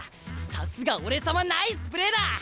さすが俺様ナイスプレーだ！